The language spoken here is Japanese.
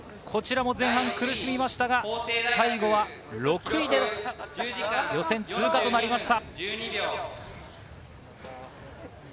前半苦しみましたが最後は６位で予選通過となりました。